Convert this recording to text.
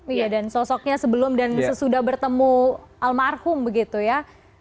iya dan sosoknya sebelum dan sesudah bertemu almarhum begitu ya